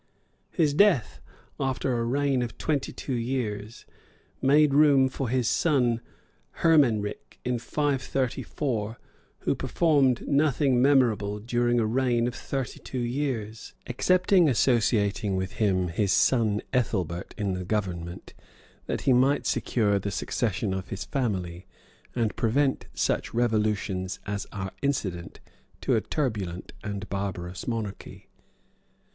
His death, after a reign of twenty two years, made room for his son Hermenric in 534, who performed nothing memorable during a reign of thirty two years; excepting associating with him his son Ethelbert in the government, that he might secure the succession hi his family, and prevent such revolutions as are incident to a turbulent and barbarous monarchy.